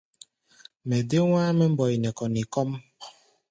Mɛ dé wá̧á̧ mɛ́ mbɔi nɛ kɔni kɔ́ʼm.